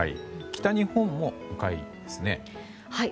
北日本も赤いですね。